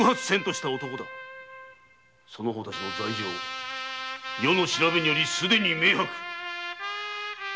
その方たちの罪状余の調べによりすでに明白。